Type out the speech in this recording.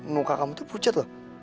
muka kamu itu pucat loh